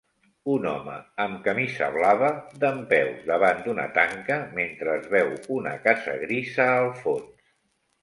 Un home amb camisa blava dempeus davant d'una tanca mentre es veu una casa grisa al fons